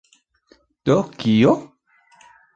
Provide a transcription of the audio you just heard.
Do kio?!